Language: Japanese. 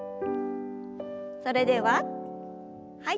それでははい。